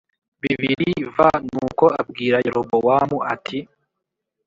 bibiri v Nuko abwira Yerobowamu ati